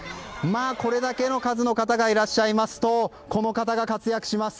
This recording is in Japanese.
これだけの数の方がいらっしゃいますとこの方が活躍します。